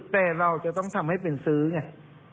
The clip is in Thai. แต่เราจะต้องทำให้เป็นซื้อไง